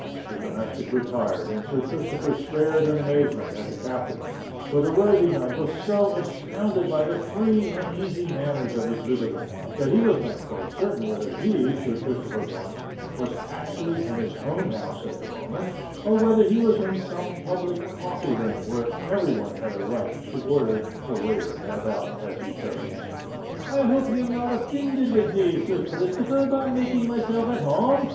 The domestic retired, and Sir Christopher stared in amazement at the Captain; for the worthy knight was so astounded by the free and easy manners of his visitor, that he was not quite certain whether he, Sir Christopher Blunt, was actually in his own house at the moment, or whether he was in some public coffee room where every one had a right to order the waiter about as he chose. "I hope you're not offinded with me, Sir Christopher r, by making myself at home?"